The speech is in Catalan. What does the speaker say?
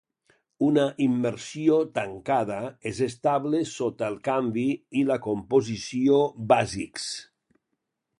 Una immersió tancada és estable sota el canvi i la composició bàsics.